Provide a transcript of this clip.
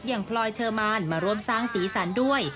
พลอยเชอร์มานมาร่วมสร้างสีสันด้วย